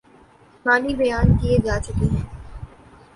معنی بیان کئے جا چکے ہیں۔